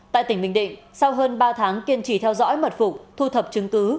tại tỉnh bình định sau hơn ba tháng kiên trì theo dõi mật phục thu thập chứng cứ